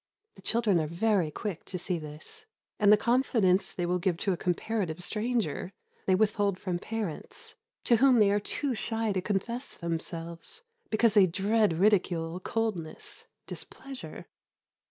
The children are very quick to see this, and the confidence they will give to a comparative stranger they withhold from parents, to whom they are too shy to confess themselves, because they dread ridicule, coldness, displeasure.